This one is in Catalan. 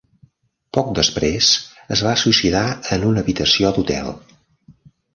Poc després es va suïcidar en una habitació d'hotel.